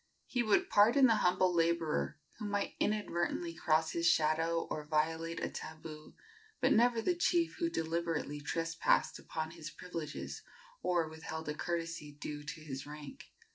He would pardon the humble laborer who might inadvertently cross his shadow or violate a tabu, but never the chief who deliberately trespassed upon his privileges or withheld a courtesy due to his rank.